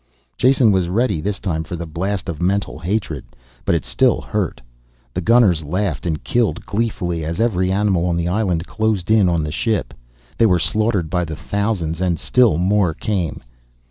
Jason was ready this time for the blast of mental hatred but it still hurt. The gunners laughed and killed gleefully as every animal on the island closed in on the ship. They were slaughtered by the thousands, and still more came.